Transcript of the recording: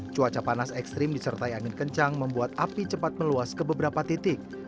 cuaca panas ekstrim disertai angin kencang membuat api cepat meluas ke beberapa titik